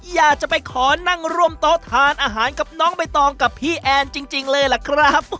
อยากจะไปขอนั่งร่วมโต๊ะทานอาหารกับน้องใบตองกับพี่แอนจริงเลยล่ะครับ